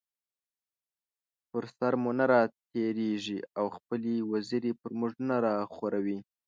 پر سر مو نه راتېريږي او خپلې وزرې پر مونږ نه راخوروي